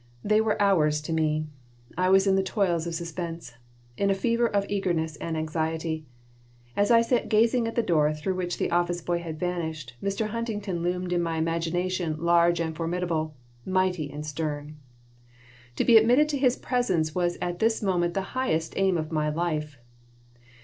They were hours to me. I was in the toils of suspense, in a fever of eagerness and anxiety. As I sat gazing at the door through which the office boy had vanished, Mr. Huntington loomed in my imagination large and formidable, mighty and stern. To be admitted to his presence was at this moment the highest aim of my life.